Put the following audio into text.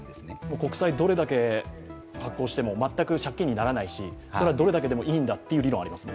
国債をどれだけ発行しても借金にならないし、どれだけでもいいんだという理論がありますね。